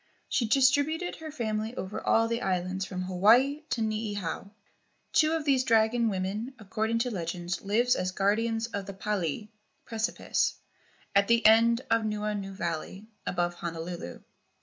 She distributed her family over all the islands from Hawaii to Niihau. Two of these dragon women, according to the legends, lived as guardians of the pali (precipice) at the end of Nuuanu Valley, above Honolulu.